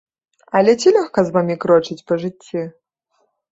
Але ці лёгка з вамі крочыць па жыцці?